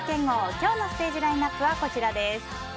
今日のステージラインアップはこちらです。